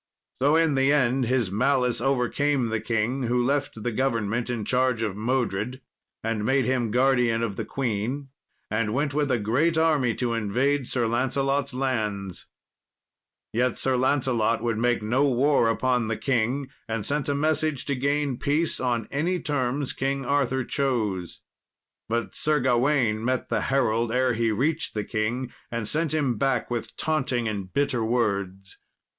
So in the end his malice overcame the king, who left the government in charge of Modred, and made him guardian of the queen, and went with a great army to invade Sir Lancelot's lands. Yet Sir Lancelot would make no war upon the king, and sent a message to gain peace on any terms King Arthur chose. But Sir Gawain met the herald ere he reached the king, and sent him back with taunting and bitter words.